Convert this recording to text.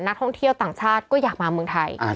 นักท่องเที่ยวต่างชาติก็อยากมาเมืองไทย